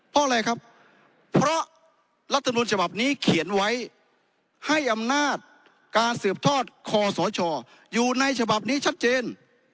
เพราะอะไรครับเพราะรัฐมนุนฉบับนี้เขียนไว้ให้อำนาจการสืบทอดคอสชอยู่ในฉบับนี้ชัดเจน